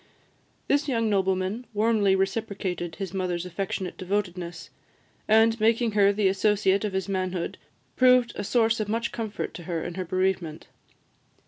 This young nobleman warmly reciprocated his mother's affectionate devotedness; and, making her the associate of his manhood, proved a source of much comfort to her in her bereavement.